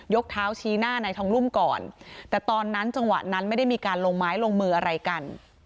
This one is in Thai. เท้าชี้หน้านายทองรุ่มก่อนแต่ตอนนั้นจังหวะนั้นไม่ได้มีการลงไม้ลงมืออะไรกัน